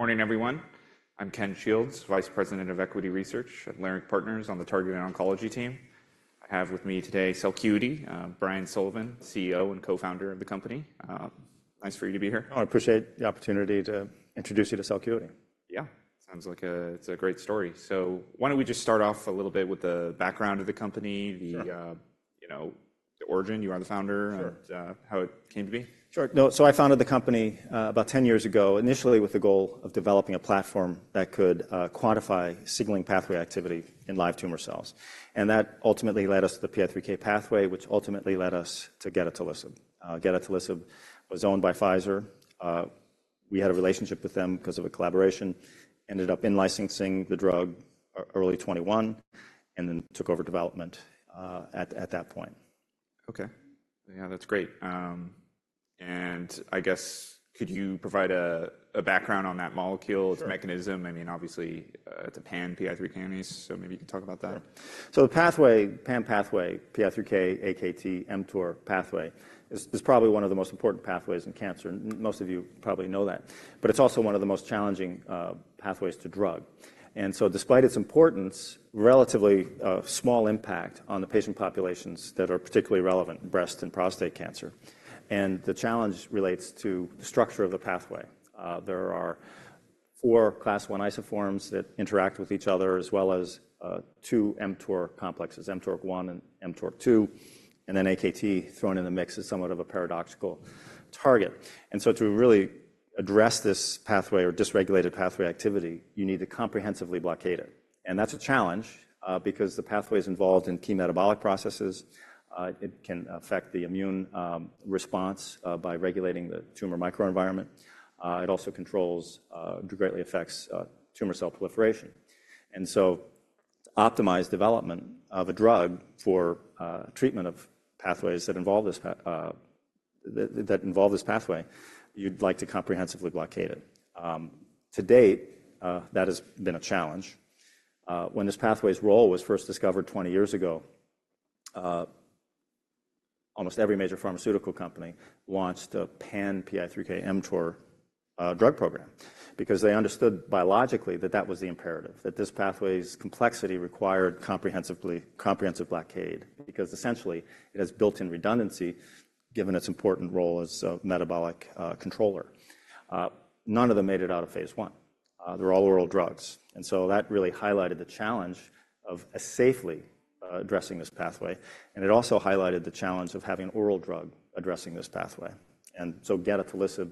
Morning, everyone. I'm Ken Shields, Vice President of Equity Research at Leerink Partners on the Targeted Oncology team. I have with me today Celcuity, Brian Sullivan, CEO and Co-founder of the company. Nice for you to be here. Oh, I appreciate the opportunity to introduce you to Celcuity. Yeah, sounds like a great story. So why don't we just start off a little bit with the background of the company, the origin, you are the founder, and how it came to be? Sure. No, so I founded the company about 10 years ago, initially with the goal of developing a platform that could quantify signaling pathway activity in live tumor cells. And that ultimately led us to the PI3K pathway, which ultimately led us to gedatolisib. Gedatolisib was owned by Pfizer. We had a relationship with them because of a collaboration, ended up in-licensing the drug early 2021, and then took over development at that point. Okay. Yeah, that's great. And I guess could you provide a background on that molecule, its mechanism? I mean, obviously it's a pan-PI3K inhibitor, so maybe you can talk about that. Sure. So the pathway, PAM pathway, PI3K/AKT/mTOR pathway, is probably one of the most important pathways in cancer. Most of you probably know that. But it's also one of the most challenging pathways to drug. And so despite its importance, relatively small impact on the patient populations that are particularly relevant, breast and prostate cancer. And the challenge relates to the structure of the pathway. There are four class I isoforms that interact with each other, as well as two mTOR complexes, mTORC1 and mTORC2, and then AKT thrown in the mix is somewhat of a paradoxical target. And so to really address this pathway or dysregulated pathway activity, you need to comprehensively blockade it. And that's a challenge because the pathway is involved in metabolic processes. It can affect the immune response by regulating the tumor microenvironment. It also controls, greatly affects tumor cell proliferation. To optimize development of a drug for treatment of pathways that involve this pathway, you'd like to comprehensively blockade it. To date, that has been a challenge. When this pathway's role was first discovered 20 years ago, almost every major pharmaceutical company launched a pan-PI3K-mTOR drug program because they understood biologically that that was the imperative, that this pathway's complexity required comprehensive blockade because essentially it has built-in redundancy given its important role as a metabolic controller. None of them made it out of phase I. They're all oral drugs. That really highlighted the challenge of safely addressing this pathway. It also highlighted the challenge of having an oral drug addressing this pathway. Gedatolisib,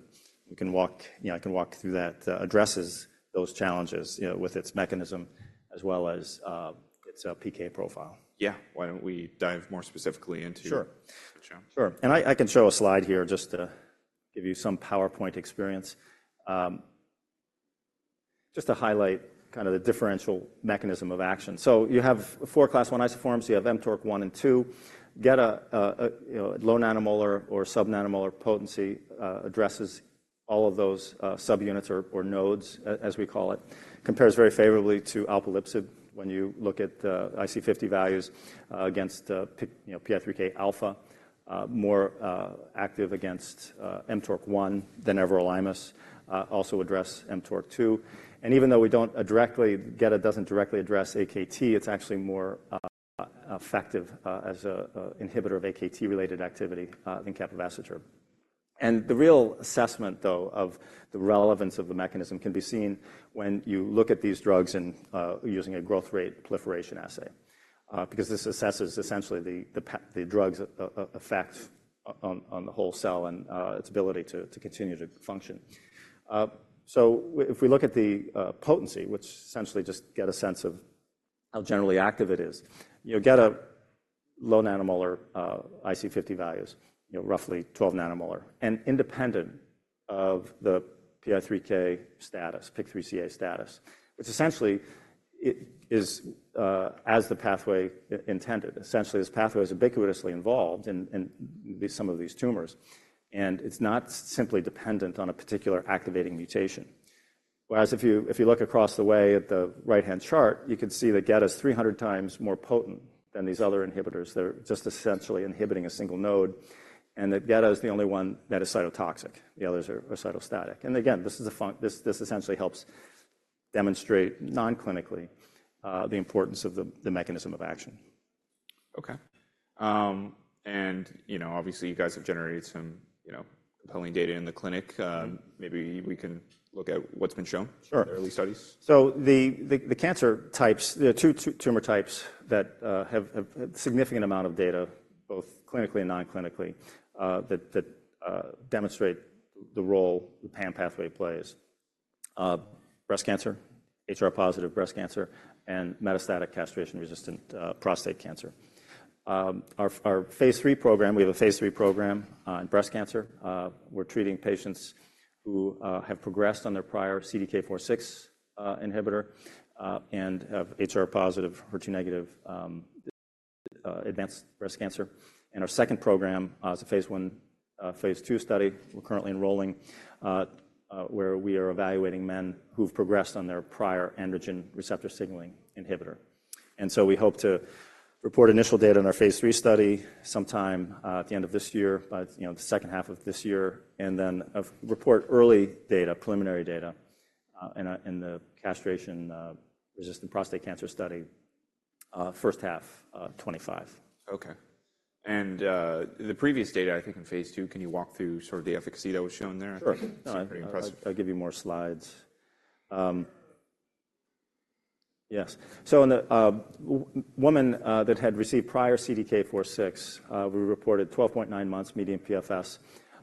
you can walk through that, addresses those challenges with its mechanism as well as its PK profile. Yeah. Why don't we dive more specifically into. Sure. Sure. And I can show a slide here just to give you some PowerPoint experience, just to highlight kind of the differential mechanism of action. So you have four class I isoforms. You have mTORC1 and 2. Gedatolisib has low nanomolar or subnanomolar potency [that] addresses all of those subunits or nodes, as we call it, compares very favorably to alpelisib when you look at IC50 values against PI3K-alpha, more active against mTORC1 than everolimus, also address[es] mTORC2. And even though we don't directly, gedatolisib doesn't directly address AKT, it's actually more effective as an inhibitor of AKT-related activity than capivasertib. And the real assessment, though, of the relevance of the mechanism can be seen when you look at these drugs in using a growth rate proliferation assay because this assesses essentially the drug's effect on the whole cell and its ability to continue to function. So if we look at the potency, which essentially just to get a sense of how generally active it is, gedatolisib low nanomolar IC50 values, roughly 12 nanomolar, and independent of the PI3K status, PIK3CA status, which essentially is as the pathway intended. Essentially, this pathway is ubiquitously involved in some of these tumors, and it's not simply dependent on a particular activating mutation. Whereas if you look across the way at the right-hand chart, you can see that gedatolisib is 300 times more potent than these other inhibitors. They're just essentially inhibiting a single node, and that gedatolisib is the only one that is cytotoxic. The others are cytostatic. And again, this essentially helps demonstrate non-clinically the importance of the mechanism of action. Okay. Obviously, you guys have generated some compelling data in the clinic. Maybe we can look at what's been shown, the early studies. Sure. So the cancer types, there are two tumor types that have a significant amount of data, both clinically and non-clinically, that demonstrate the role the PAM pathway plays: breast cancer, HR-positive breast cancer, and metastatic castration-resistant prostate cancer. Our phase III program, we have a phase III program in breast cancer. We're treating patients who have progressed on their prior CDK4/6 inhibitor and have HR-positive, HER2-negative advanced breast cancer. And our second program is a phase I, phase II study we're currently enrolling where we are evaluating men who've progressed on their prior androgen receptor signaling inhibitor. And so we hope to report initial data in our phase III study sometime at the end of this year, by the second half of this year, and then report early data, preliminary data, in the castration-resistant prostate cancer study first half 2025. Okay. And the previous data, I think, in phase II, can you walk through sort of the efficacy that was shown there? Sure. No, I'll give you more slides. Yes. So in the woman that had received prior CDK4/6, we reported 12.9 months median PFS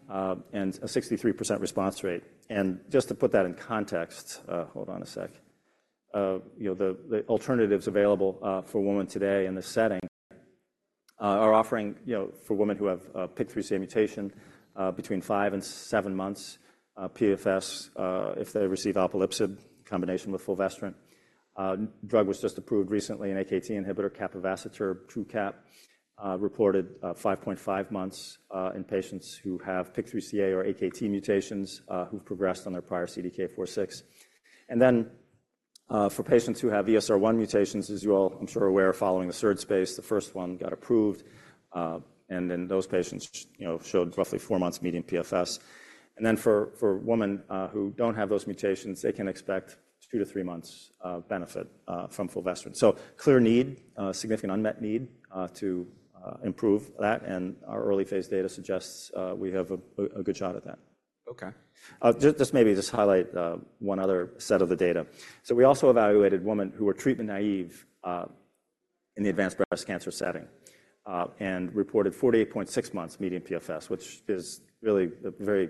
and a 63% response rate. And just to put that in context, hold on a sec, the alternatives available for women today in this setting are offering, for women who have PIK3CA mutation, between 5 and 7 months PFS if they receive alpelisib in combination with fulvestrant. Drug was just approved recently, an AKT inhibitor, capivasertib, Truqap, reported 5.5 months in patients who have PIK3CA or AKT mutations who've progressed on their prior CDK4/6. And then for patients who have ESR1 mutations, as you're all, I'm sure, aware of following the SERD space, the first one got approved, and then those patients showed roughly 4 months median PFS. And then for women who don't have those mutations, they can expect 2-3 months benefit from fulvestrant. So clear need, significant unmet need to improve that, and our early phase data suggests we have a good shot at that. Okay. Just maybe just highlight one other set of the data. So we also evaluated women who were treatment naive in the advanced breast cancer setting and reported 48.6 months median PFS, which is really a very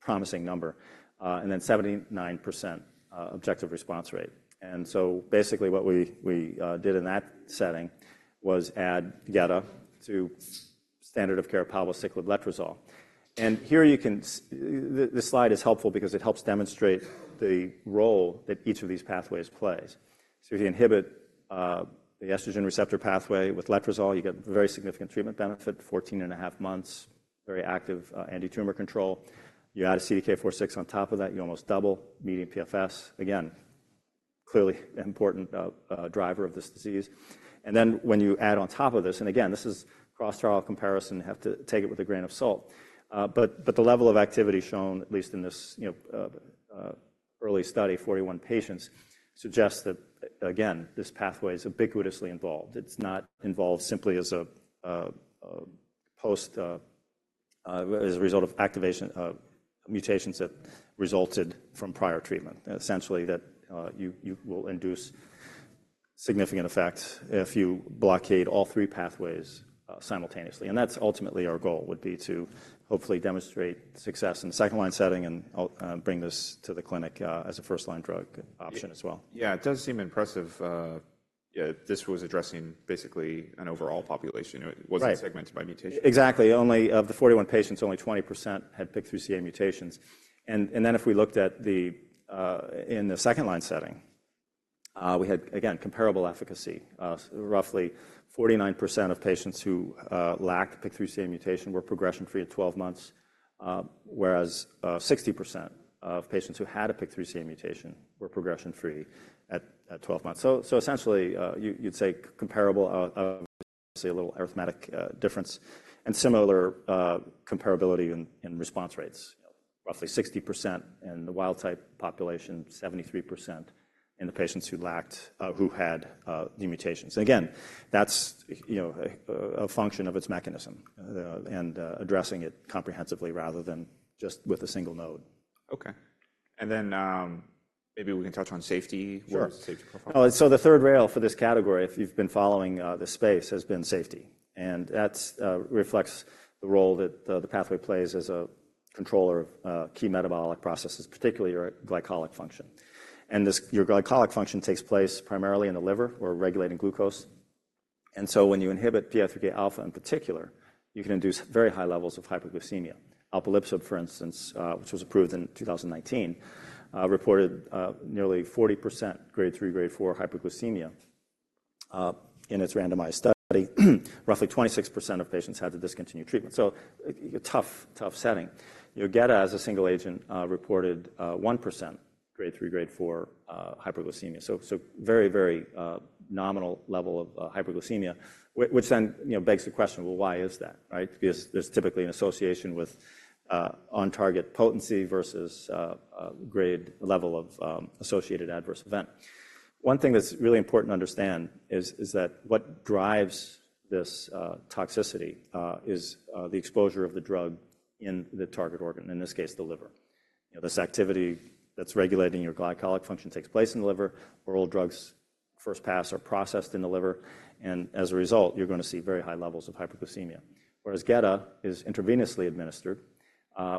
promising number, and then 79% objective response rate. So basically what we did in that setting was add gedatolisib to standard of care palbociclib letrozole. And here you can, this slide is helpful because it helps demonstrate the role that each of these pathways plays. So if you inhibit the estrogen receptor pathway with letrozole, you get very significant treatment benefit, 14.5 months, very active antitumor control. You add a CDK4/6 on top of that, you almost double median PFS, again, clearly an important driver of this disease. And then when you add on top of this, and again, this is cross-trial comparison, have to take it with a grain of salt. But the level of activity shown, at least in this early study, 41 patients, suggests that, again, this pathway is ubiquitously involved. It's not involved simply as a post, as a result of activation of mutations that resulted from prior treatment, essentially that you will induce significant effect if you blockade all three pathways simultaneously. And that's ultimately our goal, would be to hopefully demonstrate success in the second-line setting and bring this to the clinic as a first-line drug option as well. Yeah, it does seem impressive that this was addressing basically an overall population. It wasn't segmented by mutation. Exactly. Only of the 41 patients, only 20% had PIK3CA mutations. And then if we looked at the, in the second-line setting, we had, again, comparable efficacy. Roughly 49% of patients who lacked PIK3CA mutation were progression-free at 12 months, whereas 60% of patients who had a PIK3CA mutation were progression-free at 12 months. So essentially, you'd say comparable, obviously a little arithmetic difference, and similar comparability in response rates, roughly 60% in the wild-type population, 73% in the patients who lacked, who had the mutations. And again, that's a function of its mechanism and addressing it comprehensively rather than just with a single node. Okay. And then maybe we can touch on safety. What's safety profile? Sure. So the third rail for this category, if you've been following this space, has been safety. And that reflects the role that the pathway plays as a controller of key metabolic processes, particularly your glycolytic function. And your glycolytic function takes place primarily in the liver where we're regulating glucose. And so when you inhibit PI3K-alpha in particular, you can induce very high levels of hyperglycemia. Alpelisib, for instance, which was approved in 2019, reported nearly 40% grade 3, grade 4 hyperglycemia in its randomized study. Roughly 26% of patients had to discontinue treatment. So a tough, tough setting. Gedatolisib, as a single agent, reported 1% grade 3, grade 4 hyperglycemia. So very, very nominal level of hyperglycemia, which then begs the question, well, why is that, right? Because there's typically an association with on-target potency versus grade level of associated adverse event. One thing that's really important to understand is that what drives this toxicity is the exposure of the drug in the target organ, in this case, the liver. This activity that's regulating your glycemic function takes place in the liver. Oral drugs first pass or are processed in the liver, and as a result, you're going to see very high levels of hyperglycemia. Whereas Geda is intravenously administered,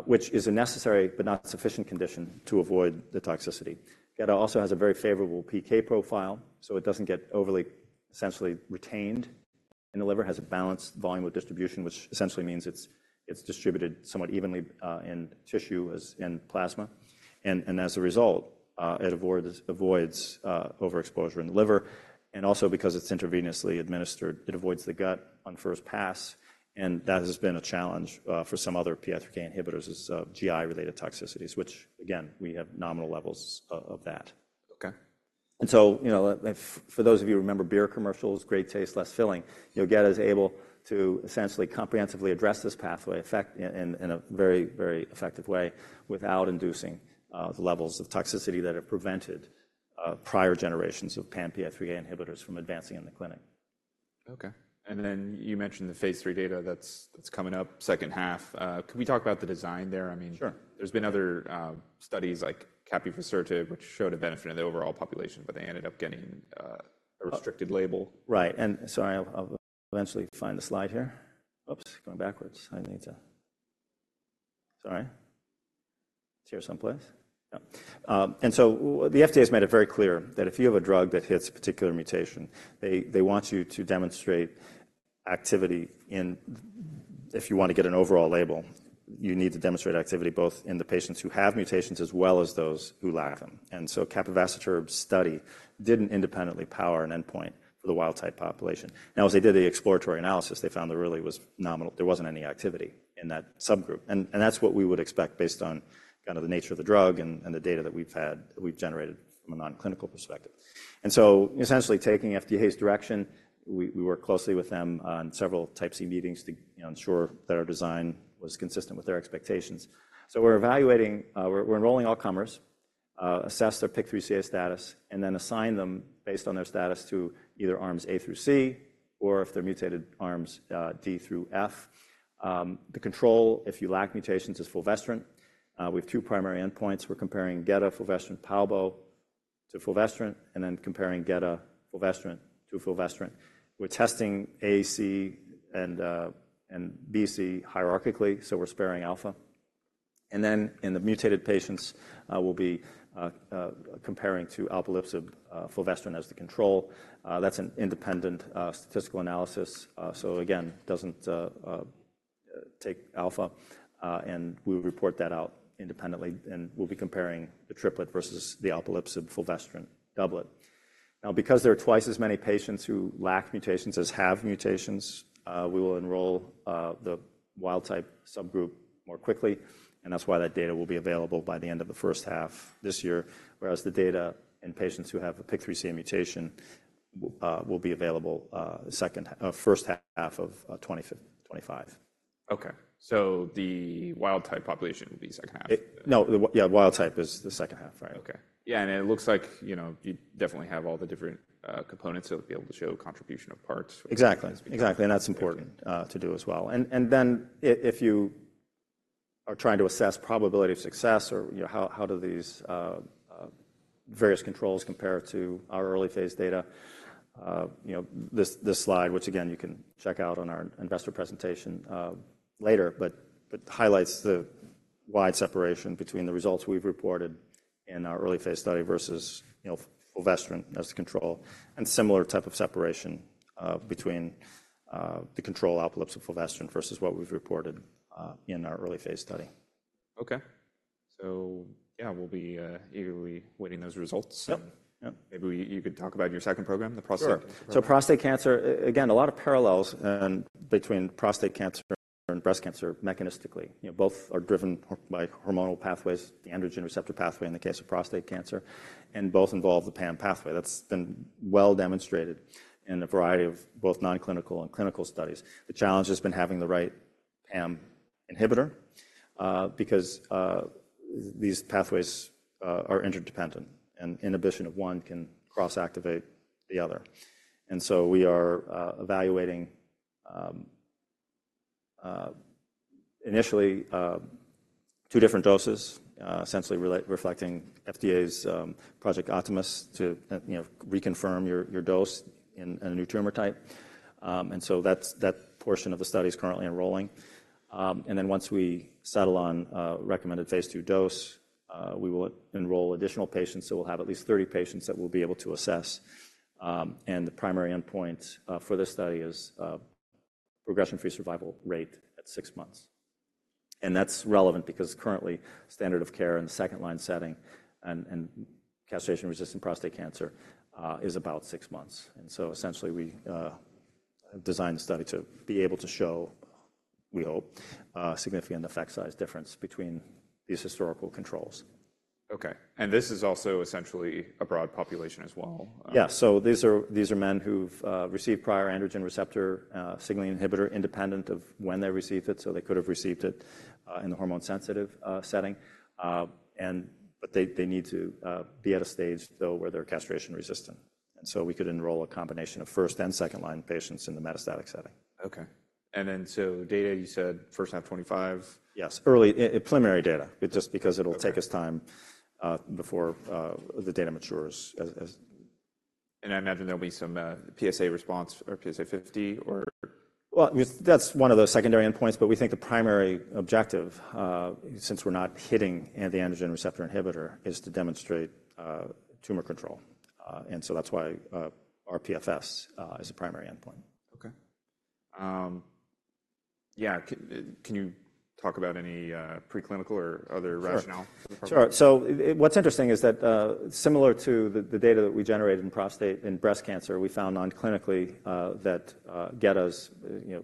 which is a necessary but not sufficient condition to avoid the toxicity. Geda also has a very favorable PK profile, so it doesn't get overly, essentially retained in the liver, has a balanced volume of distribution, which essentially means it's distributed somewhat evenly in tissue as in plasma. And as a result, it avoids overexposure in the liver. And also because it's intravenously administered, it avoids the gut on first pass. That has been a challenge for some other PI3K inhibitors is GI-related toxicities, which again, we have nominal levels of that. Okay. And so for those of you who remember beer commercials, great taste, less filling, gedatolisib is able to essentially comprehensively address this pathway, affect in a very, very effective way without inducing the levels of toxicity that have prevented prior generations of pan-PI3K inhibitors from advancing in the clinic. Okay. And then you mentioned the phase III data that's coming up, second half. Could we talk about the design there? I mean. Sure. There's been other studies like capivasertib, which showed a benefit in the overall population, but they ended up getting a restricted label. Right. And sorry, I'll eventually find the slide here. Oops, going backwards. I need to, sorry. It's here someplace. Yeah. And so the FDA has made it very clear that if you have a drug that hits a particular mutation, they want you to demonstrate activity in, if you want to get an overall label, you need to demonstrate activity both in the patients who have mutations as well as those who lack them. And so capivasertib's study didn't independently power an endpoint for the wild-type population. Now, as they did the exploratory analysis, they found there really was nominal, there wasn't any activity in that subgroup. And that's what we would expect based on kind of the nature of the drug and the data that we've had, we've generated from a non-clinical perspective. And so essentially taking FDA's direction, we work closely with them on several type C meetings to ensure that our design was consistent with their expectations. So we're evaluating, we're enrolling all comers, assess their PIK3CA status, and then assign them based on their status to either arms A through C or if they're mutated arms D through F. The control, if you lack mutations, is fulvestrant. We have two primary endpoints. We're comparing gedatolisib, fulvestrant, palbociclib to fulvestrant, and then comparing gedatolisib, fulvestrant to fulvestrant. We're testing A, C, and B, C hierarchically, so we're spending alpha. And then in the mutated patients, we'll be comparing to alpelisib, fulvestrant as the control. That's an independent statistical analysis. So again, doesn't take alpha, and we report that out independently. And we'll be comparing the triplet versus the alpelisib, fulvestrant doublet. Now, because there are twice as many patients who lack mutations as have mutations, we will enroll the wild-type subgroup more quickly. And that's why that data will be available by the end of the first half this year, whereas the data in patients who have a PIK3CA mutation will be available first half of 2025. Okay. So the wild-type population will be second half. No, yeah, wild-type is the second half, right? Okay. Yeah, and it looks like you definitely have all the different components, so it'll be able to show contribution of parts. Exactly. Exactly. And that's important to do as well. And then if you are trying to assess probability of success or how do these various controls compare to our early phase data, this slide, which again, you can check out on our investor presentation later, but highlights the wide separation between the results we've reported in our early phase study versus fulvestrant as the control, and similar type of separation between the control alpelisib, fulvestrant versus what we've reported in our early phase study. Okay. So yeah, we'll be eagerly waiting those results. Maybe you could talk about your second program, the prostate. Sure. So prostate cancer, again, a lot of parallels between prostate cancer and breast cancer mechanistically. Both are driven by hormonal pathways, the androgen receptor pathway in the case of prostate cancer, and both involve the PAM pathway. That's been well demonstrated in a variety of both non-clinical and clinical studies. The challenge has been having the right PAM inhibitor because these pathways are interdependent, and inhibition of one can cross-activate the other. And so we are evaluating initially 2 different doses, essentially reflecting FDA's Project Optimus to reconfirm your dose in a new tumor type. And so that portion of the study is currently enrolling. And then once we settle on recommended phase II dose, we will enroll additional patients. So we'll have at least 30 patients that we'll be able to assess. And the primary endpoint for this study is progression-free survival rate at 6 months. That's relevant because currently standard of care in the second-line setting in castration-resistant prostate cancer is about six months. So essentially we have designed the study to be able to show, we hope, significant effect size difference between these historical controls. Okay. This is also essentially a broad population as well. Yeah. So these are men who've received prior androgen receptor signaling inhibitor independent of when they received it. So they could have received it in the hormone-sensitive setting. But they need to be at a stage, though, where they're castration-resistant. And so we could enroll a combination of first and second-line patients in the metastatic setting. Okay. And then so data, you said first half 2025. Yes, early, preliminary data, just because it'll take us time before the data matures. I imagine there'll be some PSA response or PSA 50 or. Well, that's one of those secondary endpoints, but we think the primary objective, since we're not hitting the androgen receptor inhibitor, is to demonstrate tumor control. And so that's why our PFS is a primary endpoint. Okay. Yeah, can you talk about any preclinical or other rationale for the problem? Sure. So what's interesting is that similar to the data that we generated in prostate and breast cancer, we found non-clinically that gedatolisib is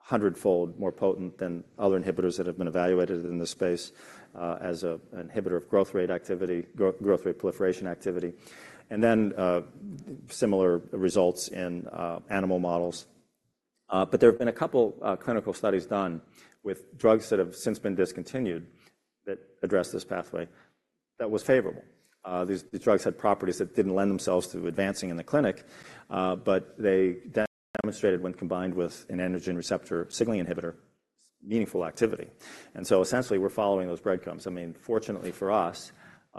hundredfold more potent than other inhibitors that have been evaluated in this space as an inhibitor of growth rate activity, growth rate proliferation activity. And then similar results in animal models. But there have been a couple of clinical studies done with drugs that have since been discontinued that address this pathway that was favorable. These drugs had properties that didn't lend themselves to advancing in the clinic, but they demonstrated when combined with an androgen receptor signaling inhibitor, meaningful activity. And so essentially we're following those breadcrumbs. I mean, fortunately for us,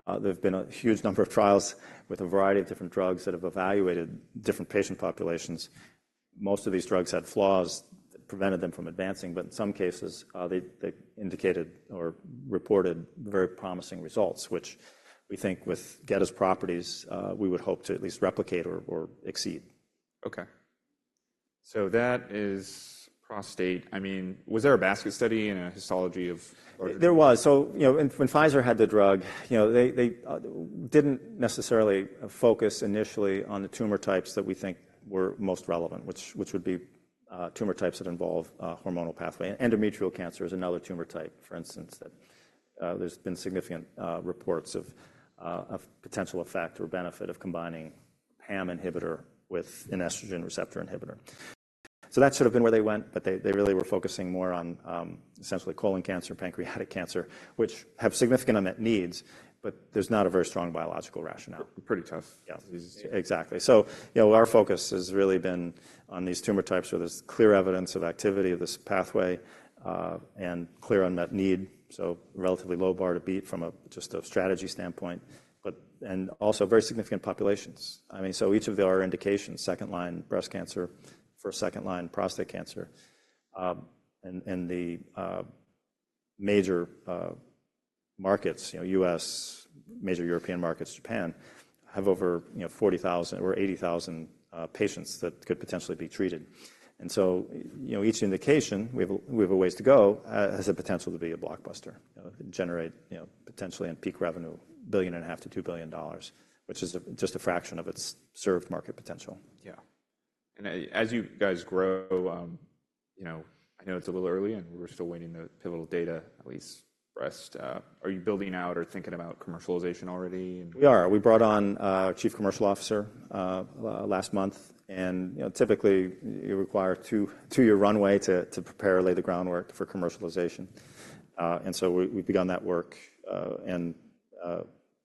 there have been a huge number of trials with a variety of different drugs that have evaluated different patient populations. Most of these drugs had flaws that prevented them from advancing, but in some cases, they indicated or reported very promising results, which we think with gedatolisib's properties, we would hope to at least replicate or exceed. Okay. So that is prostate. I mean, was there a basket study and a histology of? There was. So when Pfizer had the drug, they didn't necessarily focus initially on the tumor types that we think were most relevant, which would be tumor types that involve hormonal pathway. Endometrial cancer is another tumor type, for instance, that there's been significant reports of potential effect or benefit of combining PAM inhibitor with an estrogen receptor inhibitor. So that's sort of been where they went, but they really were focusing more on essentially colon cancer, pancreatic cancer, which have significant unmet needs, but there's not a very strong biological rationale. Pretty tough. Yeah. Exactly. So our focus has really been on these tumor types where there's clear evidence of activity of this pathway and clear unmet need, so relatively low bar to beat from just a strategy standpoint, and also very significant populations. I mean, so each of our indications, second-line breast cancer, first- and second-line prostate cancer. And the major markets, U.S., major European markets, Japan, have over 40,000 or 80,000 patients that could potentially be treated. And so each indication, we have a ways to go, has the potential to be a blockbuster, generate potentially in peak revenue $1.5 billion-$2 billion, which is just a fraction of its served market potential. Yeah. As you guys grow, I know it's a little early and we're still waiting the pivotal data, at least breast. Are you building out or thinking about commercialization already? We are. We brought on a chief commercial officer last month. Typically you require a 2-year runway to prepare, lay the groundwork for commercialization. So we've begun that work and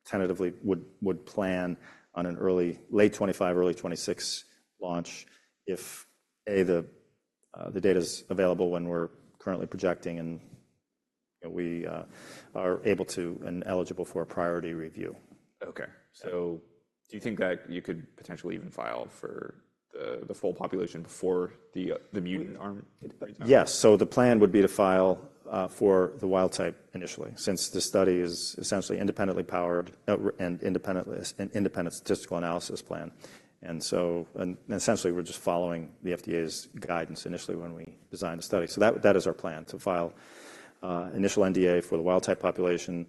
tentatively would plan on an early, late 2025, early 2026 launch if, A, the data is available when we're currently projecting and we are able to and eligible for a priority review. Okay. So do you think that you could potentially even file for the full population before the mutant arm? Yes. So the plan would be to file for the wild-type initially, since the study is essentially independently powered and independent statistical analysis plan. And so essentially we're just following the FDA's guidance initially when we designed the study. So that is our plan, to file initial NDA for the wild-type population.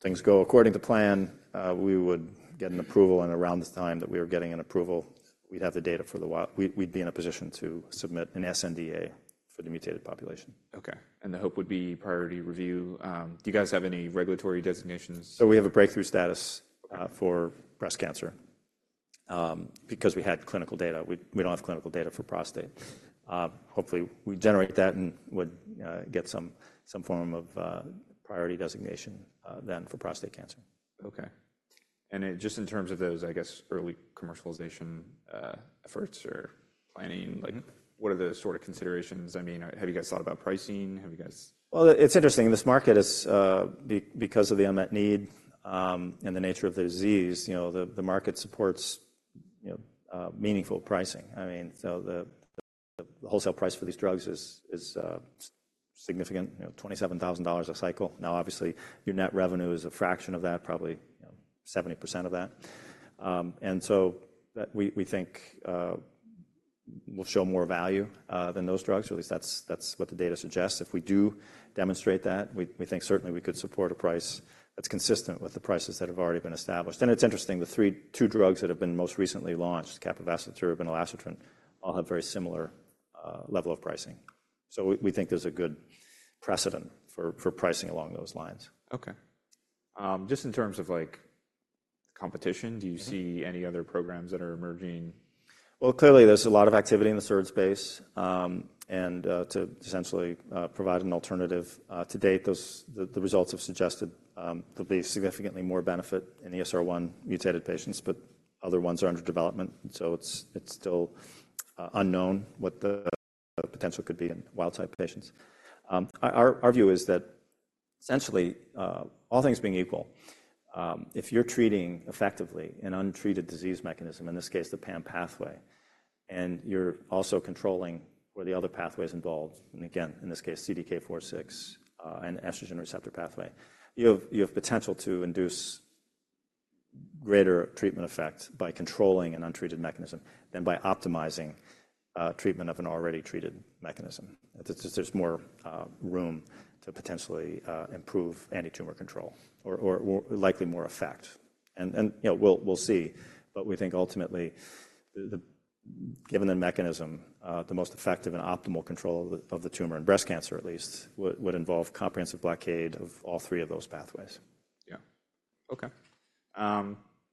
Things go according to plan, we would get an approval, and around the time that we were getting an approval, we'd have the data for the wild-type, we'd be in a position to submit an sNDA for the mutated population. Okay. And the hope would be priority review. Do you guys have any regulatory designations? We have a breakthrough status for breast cancer because we had clinical data. We don't have clinical data for prostate. Hopefully we generate that and would get some form of priority designation then for prostate cancer. Okay. And just in terms of those, I guess, early commercialization efforts or planning, what are the sort of considerations? I mean, have you guys thought about pricing? Have you guys. Well, it's interesting. This market is, because of the unmet need and the nature of the disease, the market supports meaningful pricing. I mean, so the wholesale price for these drugs is significant, $27,000 a cycle. Now, obviously, your net revenue is a fraction of that, probably 70% of that. And so we think we'll show more value than those drugs, or at least that's what the data suggests. If we do demonstrate that, we think certainly we could support a price that's consistent with the prices that have already been established. And it's interesting, the two drugs that have been most recently launched, capivasertib and elacestrant, all have very similar level of pricing. So we think there's a good precedent for pricing along those lines. Okay. Just in terms of competition, do you see any other programs that are emerging? Well, clearly there's a lot of activity in the SERD space. And to essentially provide an alternative, to date, the results have suggested there'll be significantly more benefit in the ESR1 mutated patients, but other ones are under development. So it's still unknown what the potential could be in wild-type patients. Our view is that essentially, all things being equal, if you're treating effectively an untreated disease mechanism, in this case the PAM pathway, and you're also controlling where the other pathways involved, and again, in this case, CDK4/6 and estrogen receptor pathway, you have potential to induce greater treatment effect by controlling an untreated mechanism than by optimizing treatment of an already treated mechanism. There's more room to potentially improve anti-tumor control or likely more effect. And we'll see. But we think ultimately, given the mechanism, the most effective and optimal control of the tumor in breast cancer, at least, would involve comprehensive blockade of all three of those pathways. Yeah. Okay.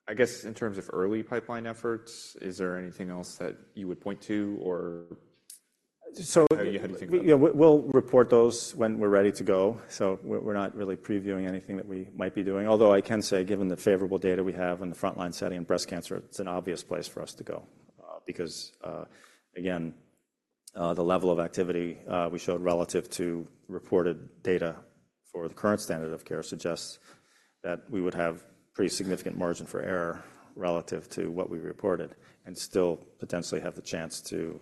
I guess in terms of early pipeline efforts, is there anything else that you would point to or how do you think about it? Yeah. We'll report those when we're ready to go. So we're not really previewing anything that we might be doing. Although I can say, given the favorable data we have in the frontline setting in breast cancer, it's an obvious place for us to go. Because again, the level of activity we showed relative to reported data for the current standard of care suggests that we would have pretty significant margin for error relative to what we reported and still potentially have the chance to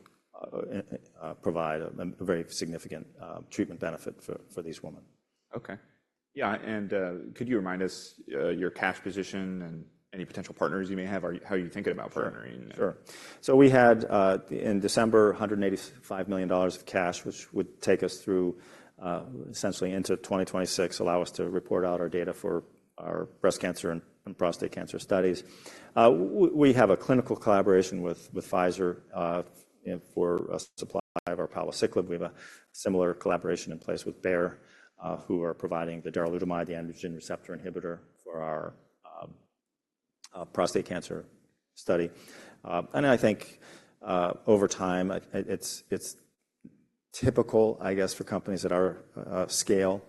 provide a very significant treatment benefit for these women. Okay. Yeah. Could you remind us your cash position and any potential partners you may have, how you're thinking about partnering? Sure. So we had in December, $185 million of cash, which would take us through essentially into 2026, allow us to report out our data for our breast cancer and prostate cancer studies. We have a clinical collaboration with Pfizer for a supply of our palbociclib. We have a similar collaboration in place with Bayer, who are providing the darolutamide, the androgen receptor inhibitor for our prostate cancer study. And I think over time, it's typical, I guess, for companies at our scale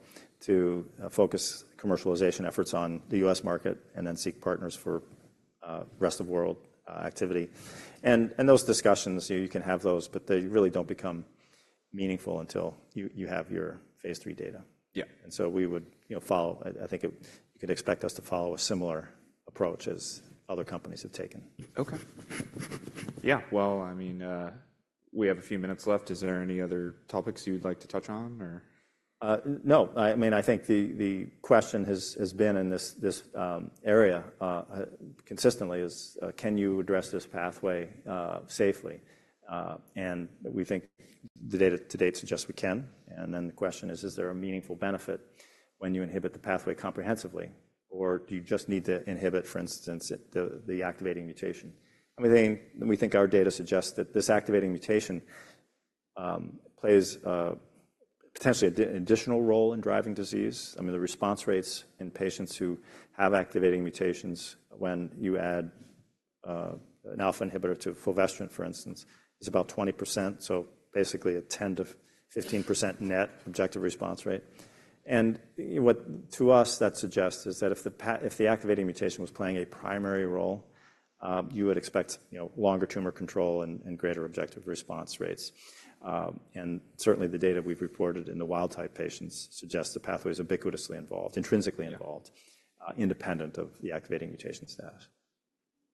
to focus commercialization efforts on the U.S. market and then seek partners for rest of world activity. And those discussions, you can have those, but they really don't become meaningful until you have your phase III data. And so we would follow, I think you could expect us to follow a similar approach as other companies have taken. Okay. Yeah. Well, I mean, we have a few minutes left. Is there any other topics you'd like to touch on or? No. I mean, I think the question has been in this area consistently is, can you address this pathway safely? And we think the data to date suggests we can. And then the question is, is there a meaningful benefit when you inhibit the pathway comprehensively, or do you just need to inhibit, for instance, the activating mutation? I mean, we think our data suggests that this activating mutation plays potentially an additional role in driving disease. I mean, the response rates in patients who have activating mutations when you add an alpha inhibitor to fulvestrant, for instance, is about 20%. So basically a 10%-15% net objective response rate. And what to us that suggests is that if the activating mutation was playing a primary role, you would expect longer tumor control and greater objective response rates. Certainly the data we've reported in the wild-type patients suggests the pathway is ubiquitously involved, intrinsically involved, independent of the activating mutation status.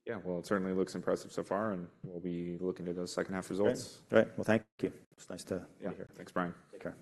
Yeah. Well, it certainly looks impressive so far, and we'll be looking to those second-half results. Great. Well, thank you. It's nice to be here. Thanks, Brian. Take care.